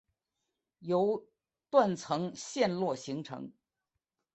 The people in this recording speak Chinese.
由断层陷落形成。